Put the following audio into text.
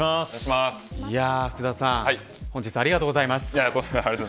福澤さん本日はありがとうございます。